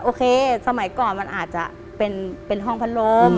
โอเคสมัยก่อนมันอาจจะเป็นห้องพัดลม